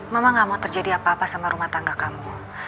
mama gak mau terjadi apa apa sama rumah tangga kamu